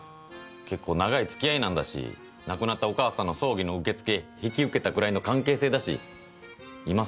結構長い付き合いなんだし亡くなったお母さんの葬儀の受付引き受けたぐらいの関係性だし今更